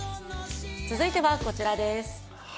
続いてはこちらです。